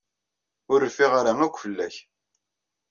Ur rfiɣ ara akk fell-ak.